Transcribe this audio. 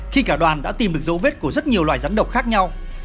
khi cả đoàn đã tìm được dấu vết của rất nhiều loài rắn độc khác nhau